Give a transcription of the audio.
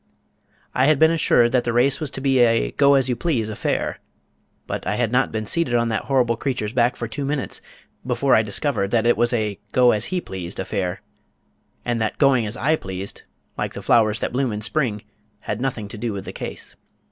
I had been assured that the race was to be a "Go As You Please" affair, but I had not been seated on that horrible creature's back for two minutes before I discovered that it was a "Go As He Pleased" affair and that "Going As I Pleased," like the flowers that bloom in the Spring, had nothing to do with the case.